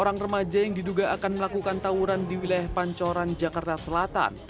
orang remaja yang diduga akan melakukan tawuran di wilayah pancoran jakarta selatan